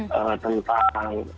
tentang judi ongkong